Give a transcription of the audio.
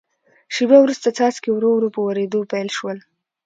شیبه وروسته څاڅکي ورو ورو په ورېدو پیل شول.